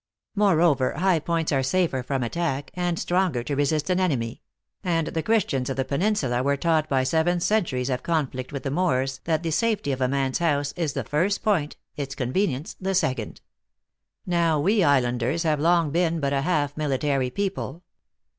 Moreover, high points are safer from attack, and stronger to resist an enemy ; and the Christians of the peninsula were taught by seven centuries of conflict with the Moors, that the safety of a man s house is the first point, its conve nience the second. Now, we islanders have long been but a half military people.